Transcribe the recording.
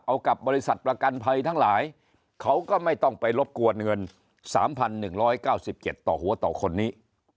เอากับบริษัทประกันภัยทั้งหลายเขาก็ไม่ต้องไปรบกวนเงิน๓๑๙๗ต่อหัวต่อคนนี้